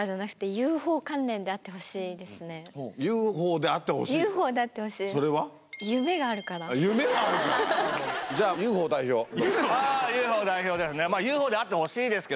ＵＦＯ代表ですね